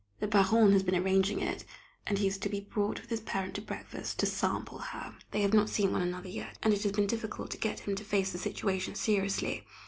The Baronne has been arranging it, and he is to be brought with his parent to breakfast, to sample her! They have not seen one another yet, and it has been difficult to get him to face the situation seriously.